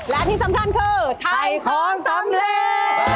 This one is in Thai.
และที่สำคัญคือถ่ายของสำเร็จ